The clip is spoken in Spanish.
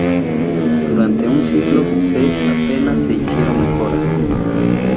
Durante un siglo se apenas se hicieron mejoras.